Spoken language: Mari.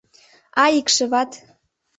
Ай, икшыват!